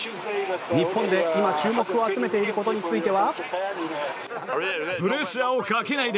日本で今、注目を集めていることについては。